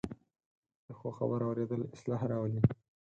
د ښو خبرو اورېدل اصلاح راولي